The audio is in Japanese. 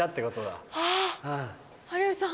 有吉さん